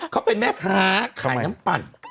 เขาเป็นแม่ค้าขายน้ำปั่น